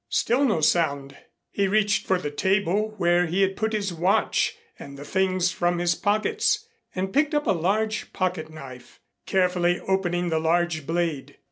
Still no sound. He reached for the table, where he had put his watch and the things from his pockets, and picked up a large pocket knife, carefully opening the large blade.